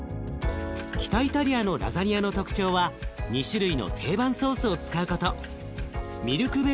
北イタリアのラザニアの特徴は２種類の定番ソースを使うこと。